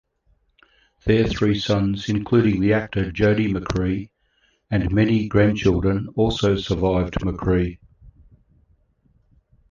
Their three sons, including the actor Jody McCrea, and many grandchildren, also survived McCrea.